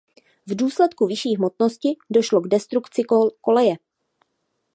V důsledku vyšší hmotnosti došlo k destrukci koleje.